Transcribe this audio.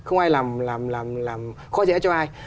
không ai làm khó dễ cho ai